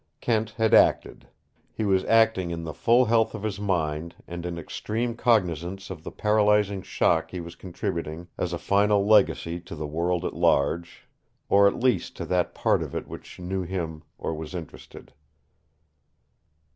Kent had acted. He was acting in the full health of his mind and in extreme cognizance of the paralyzing shock he was contributing as a final legacy to the world at large, or at least to that part of it which knew him or was interested.